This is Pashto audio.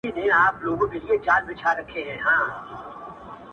دا غرونه غرونه پـه واوښـتـل.